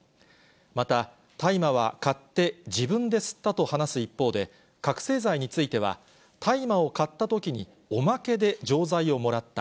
また、大麻は買って自分で吸ったと話す一方で、覚醒剤については、大麻を買ったときに、おまけで錠剤をもらった。